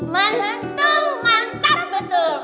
mantap mantap betul